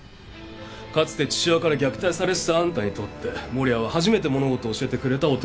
かつて父親から虐待されてたあんたにとって守谷は初めて物事を教えてくれた大人ってとこか。